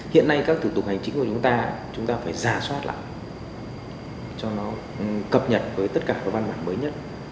hiện nay các thủ tục hành chính của chúng ta chúng ta phải giả soát lại cho nó cập nhật với tất cả các văn bản mới nhất